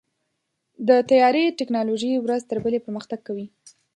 د طیارې ټیکنالوژي ورځ تر بلې پرمختګ کوي.